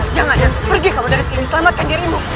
jangan pergi kamu dari sini selamatkan dirimu